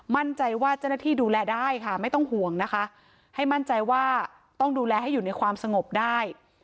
มั่นใจว่าเจ้าหน้าที่ดูแลได้ค่ะไม่ต้องห่วงนะคะให้มั่นใจว่าต้องดูแลให้อยู่ในความสงบได้